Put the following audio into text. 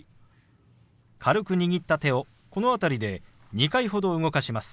軽く握った手をこの辺りで２回ほど動かします。